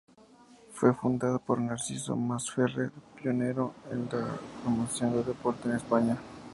Fue fundada por Narciso Masferrer, pionero en la promoción del deporte en España.